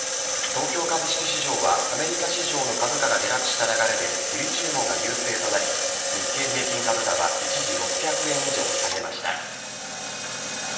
東京株式市場はアメリカ市場の株価が下落した流れで売り注文が優勢となり日経平均株価は一時６００円以上下げました。